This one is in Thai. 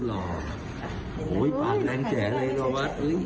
คุณพ่อเค้าก็เผยหนูเลย